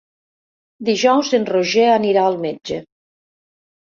Dijous en Roger anirà al metge.